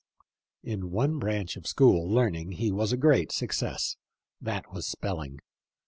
In one branch of school learning he was a great success ; that was spelling.